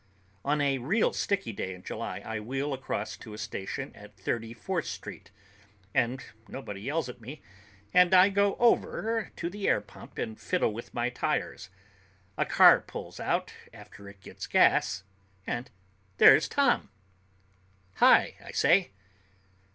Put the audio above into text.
On a real sticky day in July I wheel across to a station at Thirty fourth Street, and nobody yells at me, and I go over to the air pump and fiddle with my tires. A car pulls out after it gets gas, and there's Tom. "Hi!" I say.